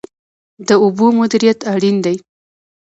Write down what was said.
د اوبو مدیریت اړین دی.